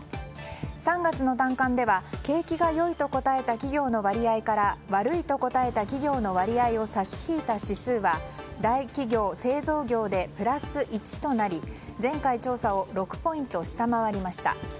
３月の短観では景気が良いと答えた企業の割合から悪いと答えた企業の割合を差し引いた指数は大企業・製造業でプラス１となり前回調査を６ポイント下回りました。